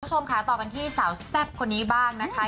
คุณผู้ชมค่ะต่อกันที่สาวแซ่บคนนี้บ้างนะคะ